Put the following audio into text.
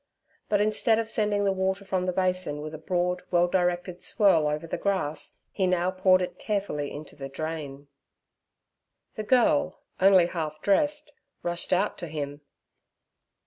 But instead of sending the water from the basin with a broad, well directed swirl over the grass, he now poured it carefully into the drain. The girl, only half dressed, rushed out to him.